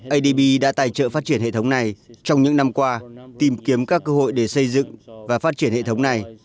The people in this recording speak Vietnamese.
adb đã tài trợ phát triển hệ thống này trong những năm qua tìm kiếm các cơ hội để xây dựng và phát triển hệ thống này